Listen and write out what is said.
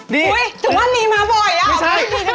ดีถึงว่านีมาบ่อยไม่ได้นีเลยอ่ะไม่ใช่